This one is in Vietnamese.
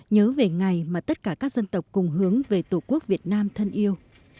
nhớ về ngày mà tất cả các dân tộc cùng hướng về tổ quốc việt nam thân yêu